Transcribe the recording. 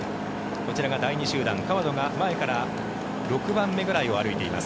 こちらが第２集団、川野が前から６番目ぐらいを歩いています。